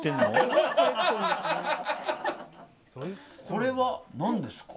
これは何ですか？